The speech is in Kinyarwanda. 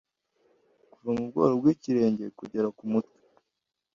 kuva mu bworo bw'ikirenge kugera ku mutwe